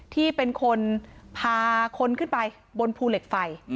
ที่เป็นคนพาคนขึ้นไปบนภูเหล็กไฟ